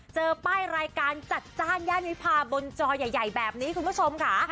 เจอป้ายรายการจัดจ้านย่านวิพาบนจอใหญ่แบบนี้คุณผู้ชมค่ะ